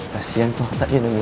kasian tuh atakin dulu